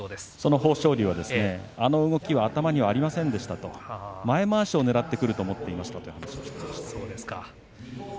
豊昇龍はあの動きは頭にありませんでした前まわしをねらってくると思いましたと言っていました。